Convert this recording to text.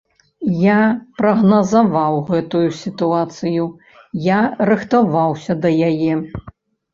Я прагназаваў гэтую сітуацыю, я рыхтаваўся да яе.